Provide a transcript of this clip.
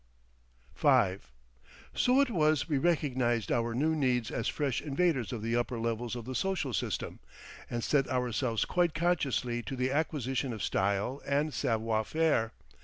V So it was we recognised our new needs as fresh invaders of the upper levels of the social system, and set ourselves quite consciously to the acquisition of Style and Savoir Faire.